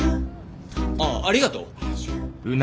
ああありがとう？